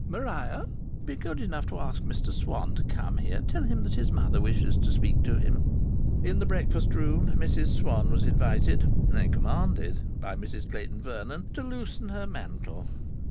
Maria, be good enough to ask Mr Swann to come here. Tell him that his mother wishes to speak to him." In the breakfast room Mrs Swann was invited, nay commanded by Mrs Clayton Vernon, to loosen her mantle.